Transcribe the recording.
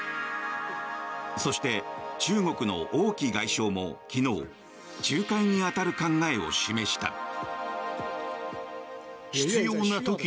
そして、中国の王毅外相も昨日仲介に当たる考えを示した。